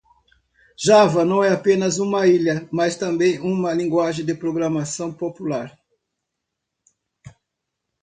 Java não é apenas uma ilha?, mas também uma linguagem de programação popular.